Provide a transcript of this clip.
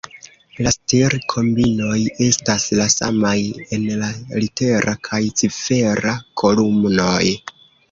La stir-kombinoj estas la samaj en la litera kaj cifera kolumnoj.